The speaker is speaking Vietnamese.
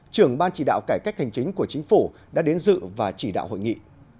trưởng ban chỉ đạo cải cách hành chính của chính phủ đã đến dự và chỉ đạo hội nghị